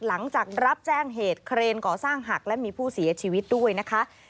หลังจากรับแจ้งเหตุเครนก่อสร้างหักและมีผู้เสียชีวิตด้วยนะคะ